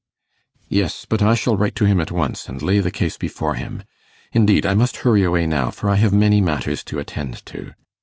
'Yes; but I shall write to him at once, and lay the case before him. Indeed, I must hurry away now, for I have many matters to attend to.